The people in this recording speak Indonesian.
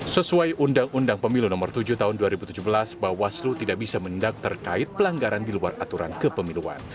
sesuai undang undang pemilu nomor tujuh tahun dua ribu tujuh belas bawaslu tidak bisa mendak terkait pelanggaran di luar aturan kepemiluan